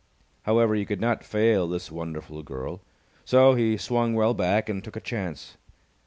However, he could not fail this wonderful girl, so he swung well back and took a chance.